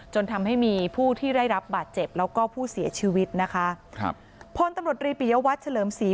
จนทำให้มีผู้ที่ได้รับบาดเจ็บแล้วก็ผู้เสียชีวิตนะคะครับพลตำรวจรีปิยวัตรเฉลิมศรี